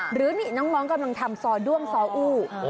หรือนี่น้องกำลังทำซอด้วงซออู